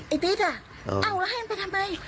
ไอ้ติ๊กเอาแล้วให้มันไปทำไม